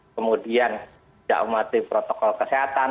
kemudian tidak mematuhi protokol kesehatan